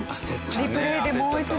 リプレイでもう一度。